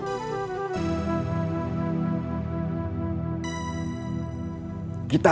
banyak orang yang meninggal